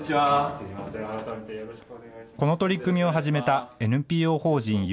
この取り組みを始めたＮＰＯ法人夢